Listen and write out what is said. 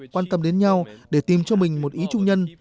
quan tâm đến nhau để tìm cho mình một ý chung nhân